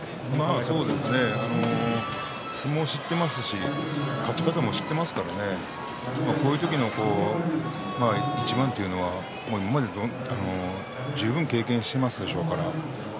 相撲を知っていますし勝ち方も知っていますからねこういう時の一番というのは十分経験していますでしょうから